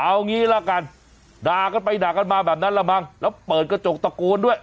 เอางี้ละกันด่ากันไปด่ากันมาแบบนั้นละมั้งแล้วเปิดกระจกตะโกนด้วย